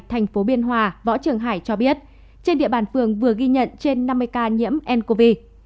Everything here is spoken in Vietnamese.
thành phố biên hòa võ trường hải cho biết trên địa bàn phường vừa ghi nhận trên năm mươi ca nhiễm ncov